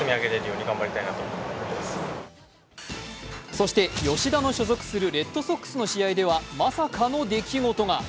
そして吉田の所属するレッドソックスの試合ではまさかの出来事が。